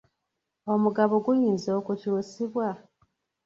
Omugabo guyinza okukyusibwa?